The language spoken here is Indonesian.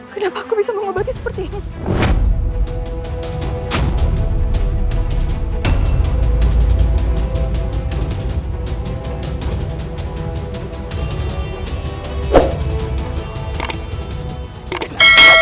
kenapa aku bisa mengobati seperti ini